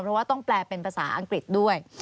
เพราะว่าต้องแปลเป็นภาษาอังกฤษด้วย